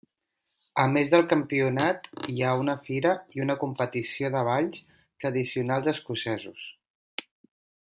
A més del campionat hi ha una fira i una competició de balls tradicionals escocesos.